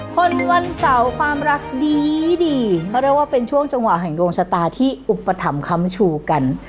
วันเสาร์ความรักดีดีเขาเรียกว่าเป็นช่วงจังหวะแห่งดวงชะตาที่อุปถัมภัมชูกัน